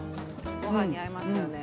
ご飯に合いますよね。